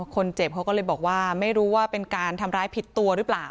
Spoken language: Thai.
คนเจ็บเขาก็เลยบอกว่าไม่รู้ว่าเป็นการทำร้ายผิดตัวหรือเปล่า